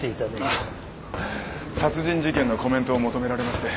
あっ殺人事件のコメントを求められまして。